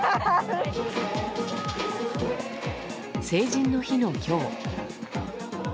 成人の日の今日。